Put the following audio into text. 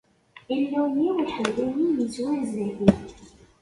Illu-iw iḥemmel-iyi, izewwir sdat-i.